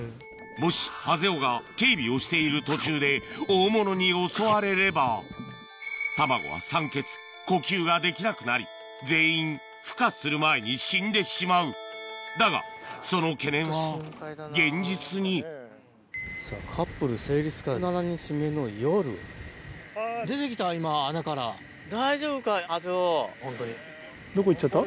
もしハゼ雄が警備をしている途中で大物に襲われれば卵は酸欠呼吸ができなくなり全員ふ化する前に死んでしまうだがその懸念は現実にどこ行っちゃった？